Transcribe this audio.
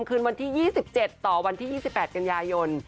คืนวันที่๒๗ต่อวันที่๒๘กันยายน